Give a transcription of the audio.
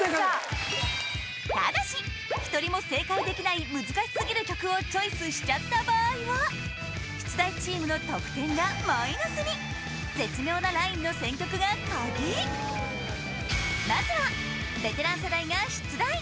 ただし一人も正解できない難しすぎる曲をチョイスしちゃった場合は出題チームの得点がマイナスにまずはベテラン世代が出題